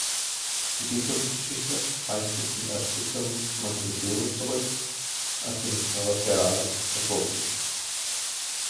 Die Bistumsgeschichte reicht bis zum Erzbistum Montevideo zurück, aus dem es territorial hervorging.